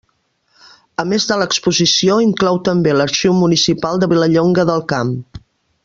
A més de l'exposició inclou també l'arxiu municipal de Vilallonga del Camp.